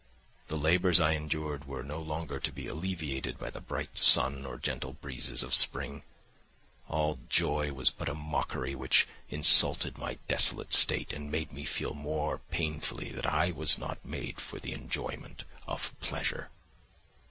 The labours I endured were no longer to be alleviated by the bright sun or gentle breezes of spring; all joy was but a mockery which insulted my desolate state and made me feel more painfully that I was not made for the enjoyment of pleasure.